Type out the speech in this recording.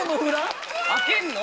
開けんの？